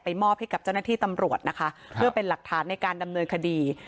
มอบให้กับเจ้าหน้าที่ตำรวจนะคะเพื่อเป็นหลักฐานในการดำเนินคดี